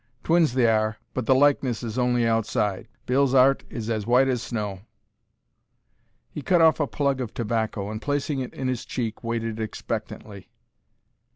Twins they are, but the likeness is only outside; Bill's 'art is as white as snow." He cut off a plug of tobacco, and, placing it in his cheek, waited expectantly.